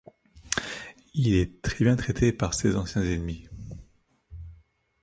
Il est très bien traité par ses anciens ennemis.